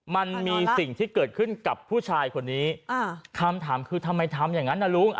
มันมีสิ่งที่เกิดขึ้นกับผู้ชายคนนี้คำถามคือทำไมทำอย่างนั้นนะลุง